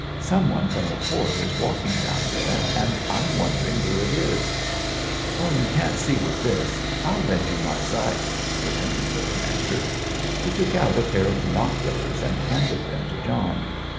"Some one from the fort is walking down there, and I'm wondering who it is." "You can't see with this; I'll lend you my Zeiss," returned the Commander. He took out a pair of binoculars, and handed them to John.